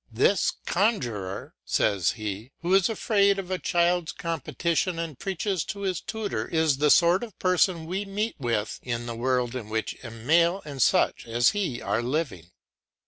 "This conjuror," says he, "who is afraid of a child's competition and preaches to his tutor is the sort of person we meet with in the world in which Emile and such as he are living."